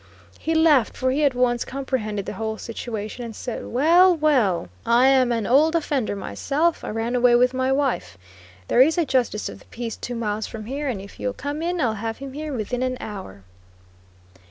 He laughed, for he at once comprehended the whole situation, and said: "Well, well! I am an old offender myself; I ran away with my wife; there is a justice of the peace two miles from here, and if you'll come in I'll have him here within an hour."